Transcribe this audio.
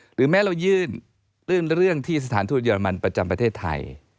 หรือแม้เรายื่นตื้นเรื่องที่สถานทูตเรมันประจำประเทศไทย